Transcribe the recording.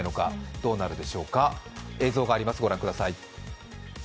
どうなるでしょうか、映像があります、ご覧ください。